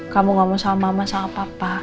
kamu gak mau sama mama sama papa